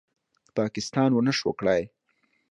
پاکستان ونشو کړې